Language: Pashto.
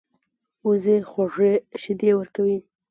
وزې خوږې شیدې ورکوي